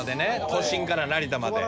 都心から成田まで。